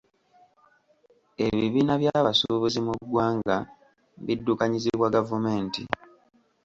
Ebibiina by’abasuubuzi mu ggwanga biddukanyizibwa gavumenti.